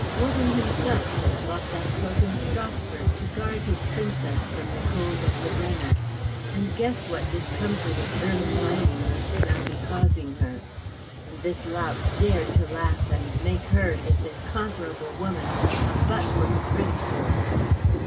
Wogan himself had bought that cloak in Strasbourg to guard his Princess from the cold of the Brenner, and guessed what discomfort its ermine lining must now be costing her. And this lout dared to laugh and make her, this incomparable woman, a butt for his ridicule!